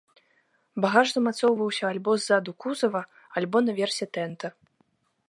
Багаж замацоўваўся альбо ззаду кузава, альбо на версе тэнта.